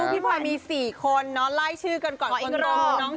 แล้วลูกพี่พลอยมี๔คนไล่ชื่อกันด้วยคนน้องชิโน่ใช่ไหมคะ